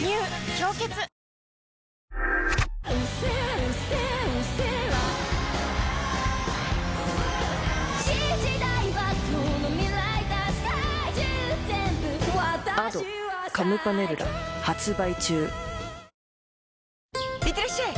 「氷結」いってらっしゃい！